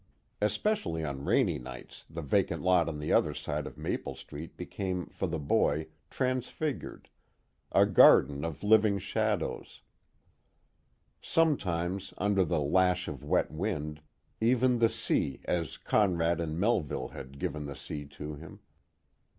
Especially on rainy nights the vacant lot on the other side of Maple Street became for the boy transfigured, a garden of living shadows; sometimes, under the lash of wet wind, even the sea as Conrad and Melville had given the sea to him.